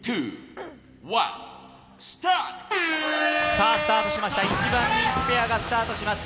さあスタートしました一番人気ペアがスタートします。